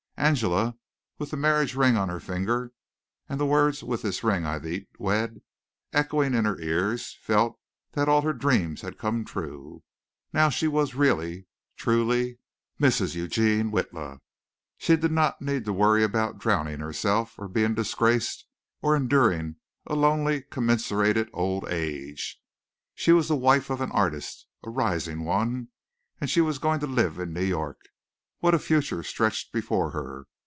Angela, with the marriage ring on her finger and the words "with this ring I thee wed" echoing in her ears, felt that all her dreams had come true. Now she was, really, truly, Mrs. Eugene Witla. She did not need to worry about drowning herself, or being disgraced, or enduring a lonely, commiserated old age. She was the wife of an artist a rising one, and she was going to live in New York. What a future stretched before her!